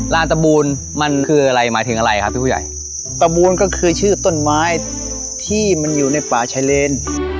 ลานตะบูลมันคืออะไรหมายถึงอะไรครับพี่ผู้ใหญ่ตะบูนก็คือชื่อต้นไม้ที่มันอยู่ในป่าชายเลน